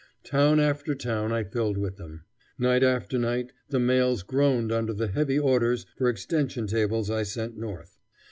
Town after town I filled with them. Night after night the mails groaned under the heavy orders for extension tables I sent north.